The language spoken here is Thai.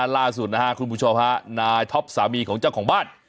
ล่าสุดนะครับคุณผู้ชมฮะนายท็อปสามีของเจ้าของบ้าน